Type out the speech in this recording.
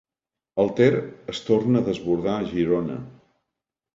El Ter es torna a desbordar a Girona.